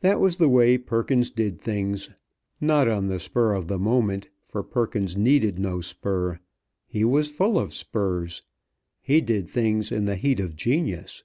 That was the way Perkins did things. Not on the spur of the moment, for Perkins needed no spur. He was fall of spurs. He did things in the heat of genius.